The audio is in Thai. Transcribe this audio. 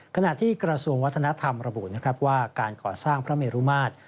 ขณะที่กระทรวงวัฒนธรรมระบุนะครับว่าการก่อสร้างพระเมรุมาตร